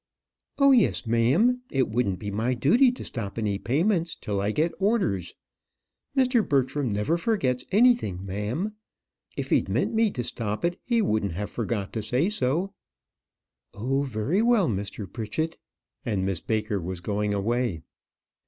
"Oh, yes, ma'am. It wouldn't be my duty to stop any payments till I get orders. Mr. Bertram never forgets anything, ma'am. If he'd meant me to stop it, he wouldn't have forgot to say so." "Oh, very well, Mr. Pritchett;" and Miss Baker was going away.